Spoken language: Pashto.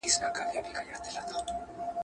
او زما د غرونو غم لړلې کيسه نه ختمېده.